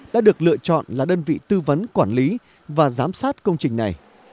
đã được lựa chọn là đơn vị tư vấn quản lý và giám sát công trình này